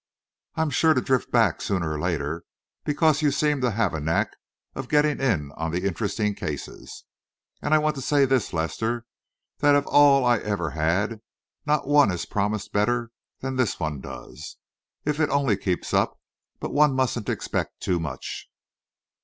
"I'm sure to drift back, sooner or later, because you seem to have a knack of getting in on the interesting cases. And I want to say this, Lester, that of all I ever had, not one has promised better than this one does. If it only keeps up but one mustn't expect too much!"